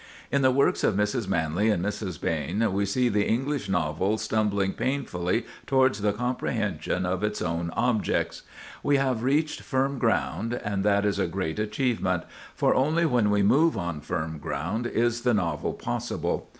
In the works of Mrs. Manley and Mrs. Behn we see the English novel stumbling painfully towards the comprehension of its own objects. We have reached firm ground, and that is a great achievement; for only when we move on firm ground is the novel possible.